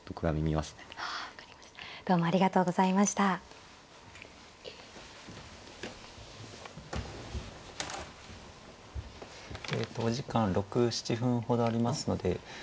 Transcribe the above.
えとお時間６７分ほどありますので